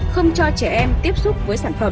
không cho trẻ em tiếp xúc với sản phẩm